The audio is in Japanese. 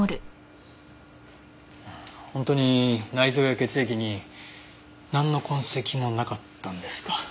本当に内臓や血液になんの痕跡もなかったんですか？